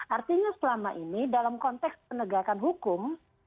artinya selama ini dalam konteks penegakan hukum